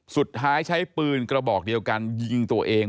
สุดท้ายใช้ปืนกระบอกเดียวกันยิงตัวเอง